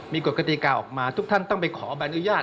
มีกฎกติกาออกมาทุกท่านต้องไปขอใบอนุญาต